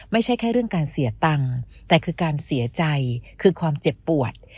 ไม่ใช่แค่เรื่องการเสียตังค์แต่คือการเสียใจคือความเจ็บปวด